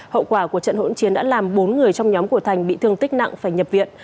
hậu quả của trận hỗn chiến đã làm bốn người trong nhóm của thành bị thương tích nặng phải nhập viện